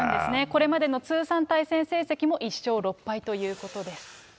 これまでの通算対戦成績も１勝６敗ということです。